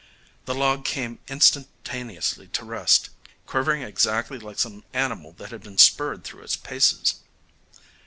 The log came instantaneously to rest, quivering exactly like some animal that had been spurred through its paces.